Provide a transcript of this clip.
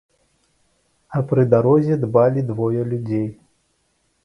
А пры дарозе дбалі двое людзей.